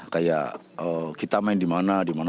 kayak kita main dimana dimana